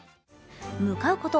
向かうこと